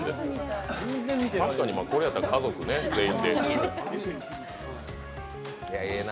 確かにこれやったら家族全員で。